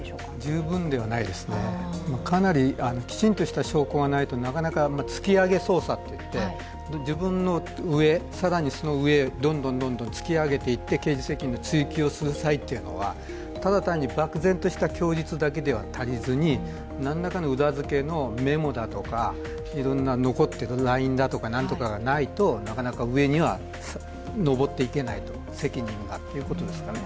十分ではないですね、かなりきちんとした証拠がないとなかなか突き上げ捜査といって、自分の上、更にその上、どんどん突き上げていって刑事責任の追及をする際というのはただ単に漠然とした供述だけでは足りず、何らかの裏付けのメモだとか、いろんな残っているＬＩＮＥだとかなんとかがないとなかなか上には上っていけないと、責任が。